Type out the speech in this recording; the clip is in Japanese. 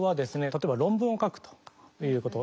例えば論文を書くということ。